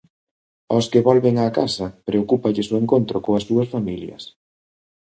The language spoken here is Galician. Aos que volven á casa preocúpalles o encontro coas súas familias.